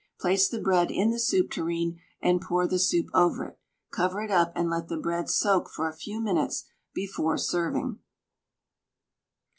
Place the bread in the soup tureen and pour the soup over it. Cover it up, and let the bread soak for a few minutes before serving.